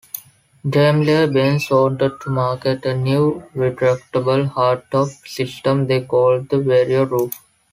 Daimler-Benz wanted to market a new retractable hardtop system they called the "Vario-Roof".